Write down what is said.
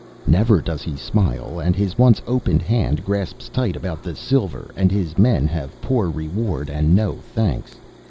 "Never does he smile, and his once open hand grasps tight about the silver and his men have poor reward and no thanks.